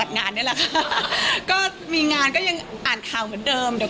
แต่ว่าเกาะเนี่ย